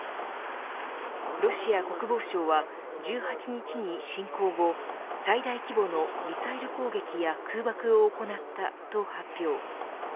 ロシア国防省は１８日に侵攻後最大規模のミサイル攻撃や空爆を行ったと発表。